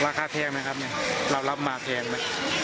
ราคาเทียงไหมครับนี่รับมาเทียงไหม